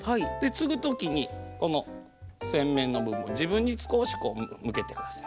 つぐ時にこの扇面の部分を自分に少しこう向けてください。